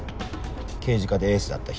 刑事課でエースだった人。